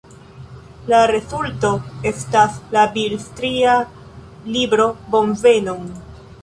La rezulto estas la bildstria libro Bonvenon!